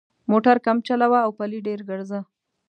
موټر کم چلوه او پلي ډېر ګرځه.